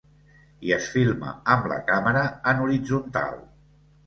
I es filma amb la càmera en horitzontal.